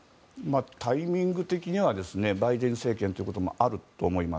タイミング的にはバイデン政権ということもあると思います。